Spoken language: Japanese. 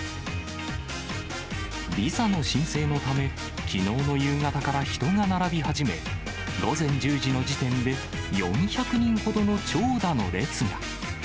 ビザの申請のため、きのうの夕方から人が並び始め、午前１０時の時点で、４００人ほどの長蛇の列が。